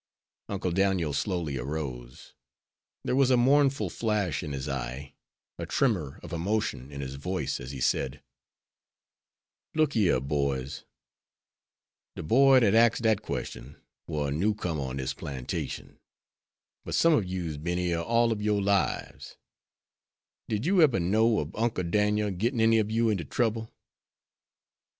Uncle Daniel slowly arose. There was a mournful flash in his eye, a tremor of emotion in his voice, as he said, "Look yere, boys, de boy dat axed dat question war a new comer on dis plantation, but some ob you's bin here all ob your lives; did you eber know ob Uncle Dan'el gittin' any ob you inter trouble?"